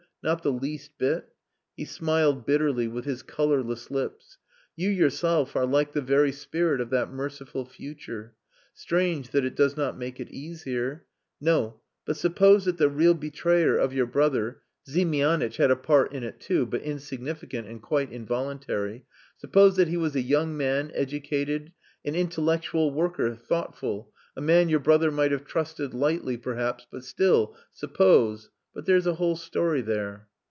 Not the least bit?" He smiled bitterly with his colourless lips. "You yourself are like the very spirit of that merciful future. Strange that it does not make it easier.... No! But suppose that the real betrayer of your brother Ziemianitch had a part in it too, but insignificant and quite involuntary suppose that he was a young man, educated, an intellectual worker, thoughtful, a man your brother might have trusted lightly, perhaps, but still suppose.... But there's a whole story there."